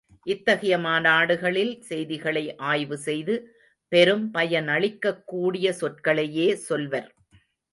இத்தகைய மாநாடுகளில் செய்திகளை ஆய்வு செய்து பெரும் பயனளிக்கக் கூடிய சொற்களையே சொல்வர்.